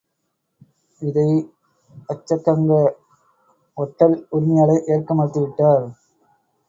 இதை வச்சக்கங்க!.. ஒட்டல் உரிமையாளர் ஏற்க மறத்துவிட்டார்.